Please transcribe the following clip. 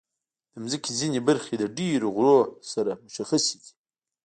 د مځکې ځینې برخې د ډېرو غرونو سره مشخصې دي.